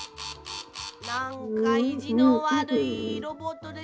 なんかいじのわるいロボットです。